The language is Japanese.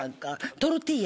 トルティーヤ。